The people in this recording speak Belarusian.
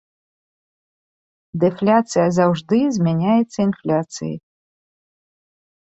Дэфляцыя заўжды змяняецца інфляцыяй.